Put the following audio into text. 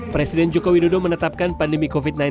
presiden joko widodo menetapkan pandemi covid sembilan belas